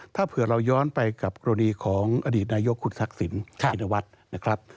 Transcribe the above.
ถ้าเผื่อเราย้อนไปกับกรณีของอดีตนายกคุณทักษิณชินวัฒน์นะครับ